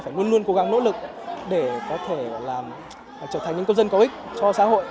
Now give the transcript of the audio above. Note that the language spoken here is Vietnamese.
phải luôn luôn cố gắng nỗ lực để có thể trở thành những công dân có ích cho xã hội